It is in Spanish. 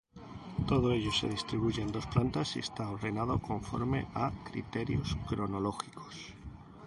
Todo ello se distribuye en dos plantas y está ordenado conforme a criterios cronológicos.